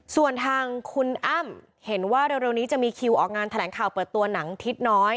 ส่วนทางคุณอ้ำเห็นว่าเร็วนี้จะมีคิวออกงานแถลงข่าวเปิดตัวหนังทิศน้อย